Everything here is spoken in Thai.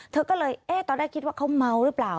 เธอก็เลยตอนนั้นคิดว่าเขาเมาหรือเปล่า